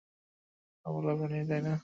অবলা প্রাণি, তাই না?